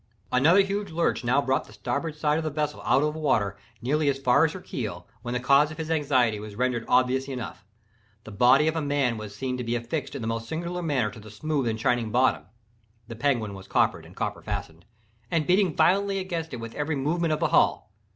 Another huge lurch now brought the starboard side of the vessel out of water nearly as far as her keel, when the cause of his anxiety was rendered obvious enough. The body of a man was seen to be affixed in the most singular manner to the smooth and shining bottom (the Penguin was coppered and copper fastened), and beating violently against it with every movement of the hull.